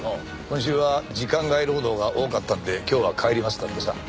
「今週は時間外労働が多かったんで今日は帰ります」だってさ。